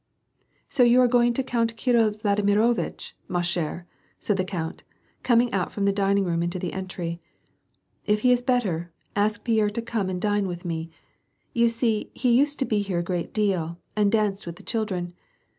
" So you are going to Count Kirill Vladimirovitch, wa chh'e/ " said the count, coming out from the dining room into the entry. "If he is better, ask Pierre to come and dine with me. You see he used to be here a great deal, and danced with the children.